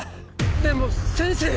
でも先生！